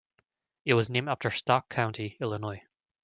It was named after Stark County, Illinois.